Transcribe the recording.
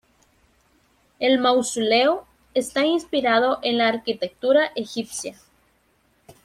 El mausoleo está inspirado en la arquitectura egipcia.